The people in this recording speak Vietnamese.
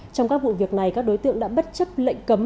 trong các vụ việc này các đối tượng đã bất chấp lệnh cấm